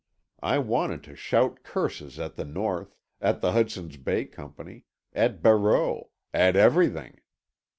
I wanted to shout curses at the North, at the Hudson's Bay Company, at Barreau—at everything.